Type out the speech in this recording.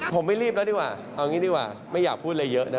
ผมไม่รีบแล้วดีกว่าเอางี้ดีกว่าไม่อยากพูดอะไรเยอะนะ